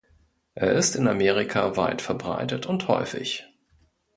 Er ist in Amerika weit verbreitet und häufig.